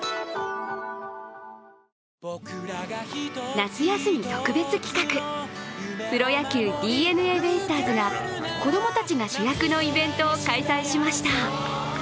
夏休み特別企画プロ野球ＤｅＮＡベイスターズが子供たちが主役のイベントを開催しました。